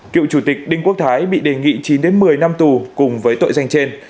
cựu chủ tịch đinh quốc thái bị đề nghị chín một mươi năm tù cùng với tội danh trên